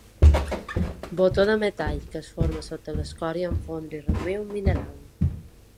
Botó de metall que es forma sota l'escòria en fondre i reduir un mineral.